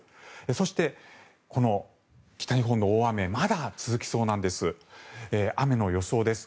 そして、この北日本の大雨まだ続きそうなんです。